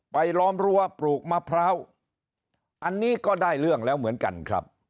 ล้อมรั้วปลูกมะพร้าวอันนี้ก็ได้เรื่องแล้วเหมือนกันครับ